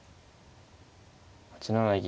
８七銀